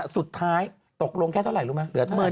สุดท้ายตกลงแค่เท่าไหร่รู้ไหมเหลือเท่าไห